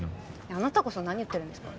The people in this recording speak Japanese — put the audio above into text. あなたこそ何言ってるんですか？